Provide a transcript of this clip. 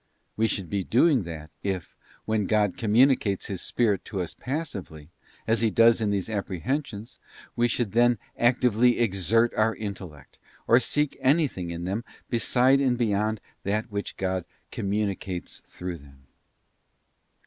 We should be doing that if, when God communicates His Spirit to us passively, as He does in these apprehensions, we should then actively exert our in tellect, or seek anything in them beside and beyond that which God communicates through them.